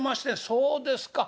そうですか。